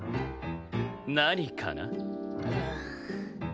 何かな？